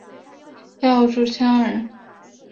姚绪羌人。